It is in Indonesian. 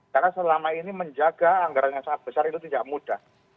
karena selama ini menjaga anggaran yang sangat besar itu tidak mudah